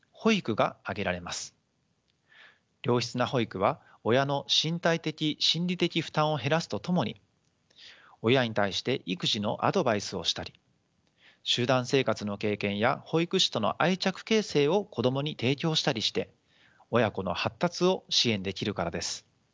良質な保育は親の身体的・心理的負担を減らすとともに親に対して育児のアドバイスをしたり集団生活の経験や保育士との愛着形成を子どもに提供したりして親子の発達を支援できるからです。